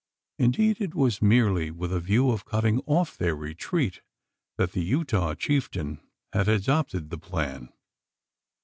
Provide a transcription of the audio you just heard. Indeed it was merely with a view of cutting off their retreat, that the Utah chieftain had adopted the plan.